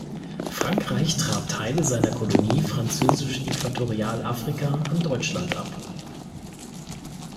Frankreich trat Teile seiner Kolonie Französisch-Äquatorialafrika an Deutschland ab.